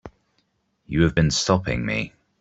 You have been stopping me.